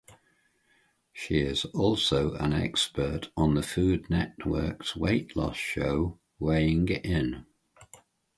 She is also an expert on the Food Network's weight-loss show, "Weighing In".